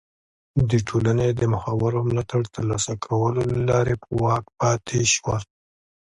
د ټولنې د مخورو ملاتړ ترلاسه کولو له لارې په واک کې پاتې شول.